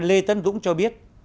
lê tân dũng cho biết